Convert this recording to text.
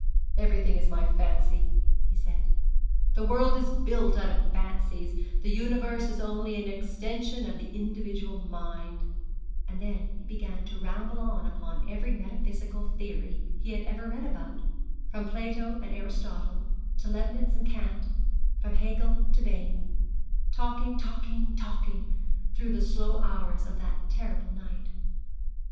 'Everything is my fancy,' he said, 'the world is built out of fancies, the universe is only an extension of the individual mind;' and then he began to ramble on upon every metaphysical theory he had ever read about, from Plato and Aristotle to Leibnitz and Kant, from Hegel to Bain talking, talking, talking, through the slow hours of that terrible night.